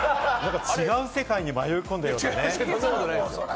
違う世界に迷い込んだよな。